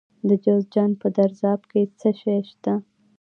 د جوزجان په درزاب کې څه شی شته؟